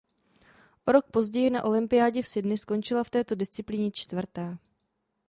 O rok později na olympiádě v Sydney skončila v této disciplíně čtvrtá.